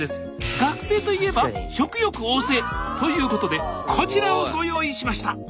学生といえば食欲旺盛！ということでこちらをご用意しました！